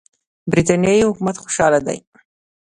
برټانیې حکومت خوشاله دی.